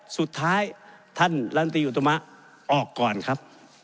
สุดท้ายท่านลำตีอุตมะออกก่อนครับ